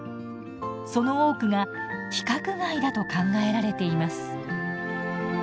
その多くが規格外だと考えられています。